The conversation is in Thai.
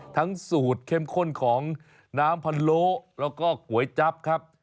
สูตรเข้มข้นของน้ำพะโล้แล้วก็ก๋วยจั๊บครับ